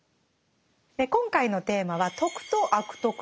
今回のテーマは「徳」と「悪徳」です。